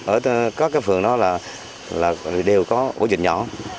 ở các phường đó là đều có ổ dịch nhỏ